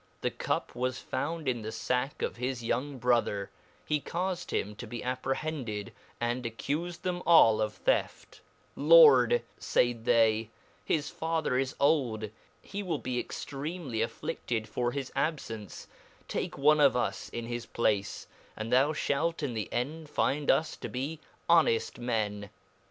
The Cup was found in the fack of his young brother ; he caufed him to be ap prehended, and accufed them all of theft ; Lord, faid they, hfs father is old, he will be extreamly afflided for his abfence, take one of us in his place, thou fhalt in the end finde us to be ho neft men